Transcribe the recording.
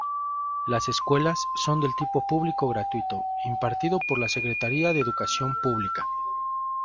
Las escuelas son del tipo publico gratuito impartido por la Secretaria de educación publica.